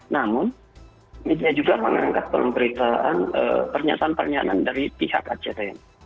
namun media juga mengangkat pemberitaan pernyataan pernyataan dari pihak actn